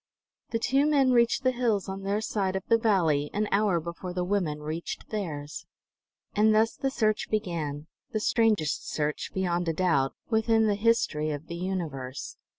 The two men reached the hills on their side of the valley an hour before the women reached theirs. And thus the search began, the strangest search, beyond a doubt, within the history of the universe.